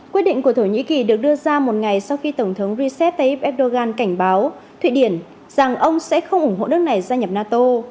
quyết định của thổ nhĩ kỳ được đưa ra một ngày sau khi tổng thống recep tayyip erdogan cảnh báo thụy điển rằng ông sẽ không ủng hộ nước này gia nhập nato